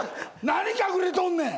何隠れとんねん？